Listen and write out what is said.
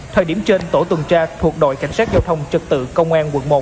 thời điểm trên tổ tuần tra thuộc đội cảnh sát giao thông trật tự công an quận một